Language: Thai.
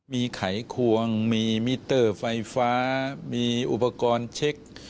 มีไขควงมีมิเตอร์ไฟฟ้ามีอุปกรณ์เช็ค